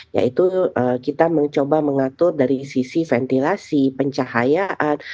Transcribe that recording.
yaitu kita mencoba mengatur dari sisi ventilasi pencahayaan